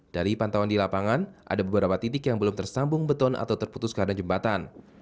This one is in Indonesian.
dari pantauan di lapangan ada beberapa titik yang belum tersambung beton atau terputus karena jembatan